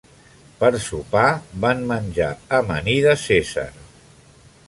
Per sopar, van menjar amanida cèsar.